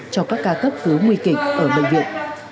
cho các ca cấp cứu nguy kịch ở bệnh viện